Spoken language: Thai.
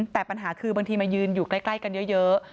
แต่ปัญหาคือบางทีมายืนอยู่ใกล้กันเยอะ